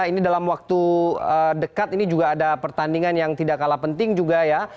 ini dalam waktu dekat ini juga ada pertandingan yang tidak kalah penting juga ya